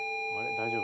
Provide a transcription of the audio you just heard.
・大丈夫？